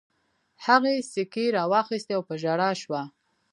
هغې سيکې را واخيستې او په ژړا شوه.